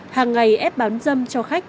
hàng ngày ép bán dâm cho khách